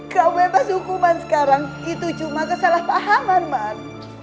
kau bebas hukuman sekarang itu cuma kesalahpahaman man